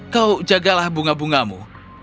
kau jagalah bunga bungamu